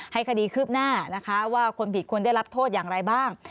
ให้คดีคืบหน้านะคะว่าคนผิดควรได้รับโทษอย่างไรบ้าง